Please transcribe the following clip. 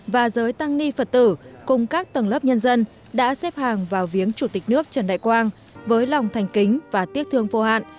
và giới tăng ni phật tử cùng các tầng lớp nhân dân đã xếp hàng vào viếng chủ tịch nước trần đại quang với lòng thành kính và tiếc thương vô hạn